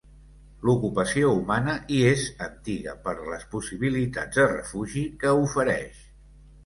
L'ocupació humana hi és antiga, per les possibilitats de refugi que ofereix.